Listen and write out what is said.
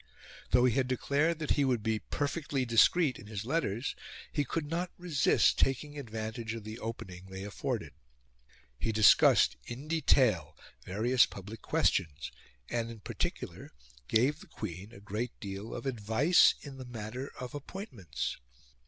Though he had declared that he would be perfectly discreet in his letters, he could not resist taking advantage of the opening they afforded. He discussed in detail various public questions, and, in particular, gave the Queen a great deal of advice in the matter of appointments.